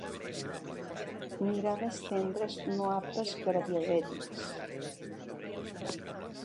Mirades tendres no aptes per a diabètics.